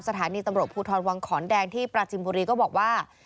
สถานีตำรวจภูทรวังขอนแดงที่ปราจินบุรีก็บอกว่า